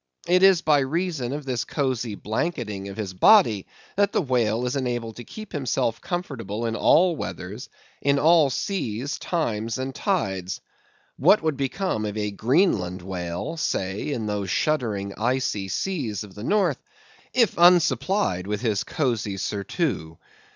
It is by reason of this cosy blanketing of his body, that the whale is enabled to keep himself comfortable in all weathers, in all seas, times, and tides. What would become of a Greenland whale, say, in those shuddering, icy seas of the North, if unsupplied with his cosy surtout?